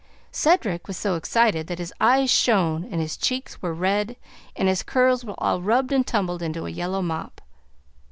Cedric was so excited that his eyes shone and his cheeks were red and his curls were all rubbed and tumbled into a yellow mop.